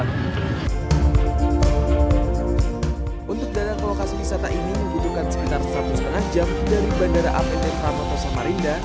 untuk dana ke lokasi wisata ini membutuhkan sekitar seratus menajam dari bandara apeten ramadosa marinda